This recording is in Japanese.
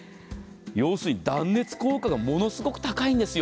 要するに断熱効果がものすごく高いんですよ。